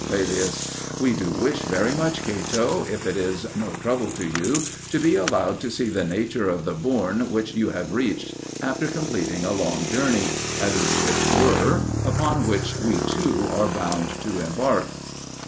Laelius We do wish very much, Cato, if it is no trouble to you, to be allowed to see the nature of the bourne which you have reached after completing a long journey, as it were, upon which we too are bound to embark.